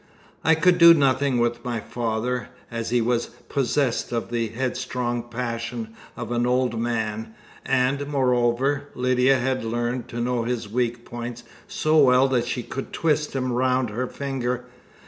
I could do nothing with my father, as he was possessed of the headstrong passion of an old man, and, moreover, Lydia had learned to know his weak points so well that she could twist him round her finger.